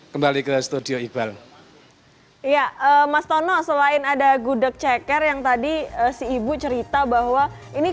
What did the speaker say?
kembali ke studio iqbal ya mas tono selain ada gudeg ceker yang tadi si ibu cerita bahwa ini